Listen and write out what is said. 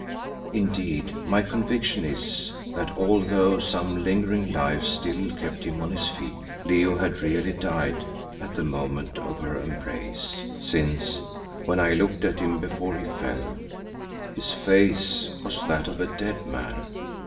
Indeed my conviction is that although some lingering life still kept him on his feet, Leo had really died at the moment of her embrace, since when I looked at him before he fell, his face was that of a dead man.